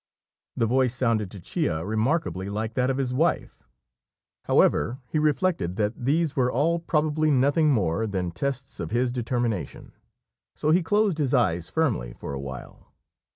The voice sounded to Chia remarkably like that of his wife; however, he reflected that these were all probably nothing more than tests of his determination, so he closed his eyes firmly for a while.